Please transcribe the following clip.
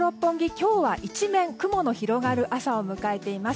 今日は一面雲の広がる朝を迎えています。